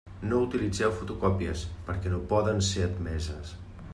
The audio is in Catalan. No utilitzeu fotocòpies, perquè no poden ser admeses.